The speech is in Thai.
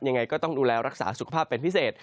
ยังไงก็ต้องดูแลรักษาสุขภาพเป็นพิเศษ